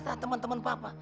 dan apa kata temen temen papa